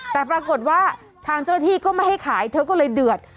แต่ปรากฏว่าทางเจ้าหน้าที่ก็ไม่ให้ขายเธอก็เลยเดือด